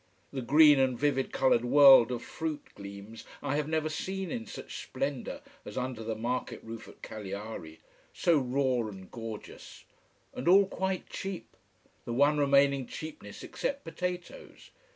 The green and vivid coloured world of fruit gleams I have never seen in such splendour as under the market roof at Cagliari: so raw and gorgeous. And all quite cheap, the one remaining cheapness, except potatoes.